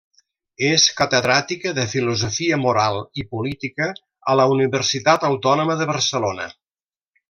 És catedràtica de Filosofia moral i Política a la Universitat Autònoma de Barcelona.